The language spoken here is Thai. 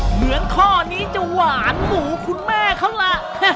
เหมือนข้อนี้จะหวานหมูคุณแม่เขาล่ะ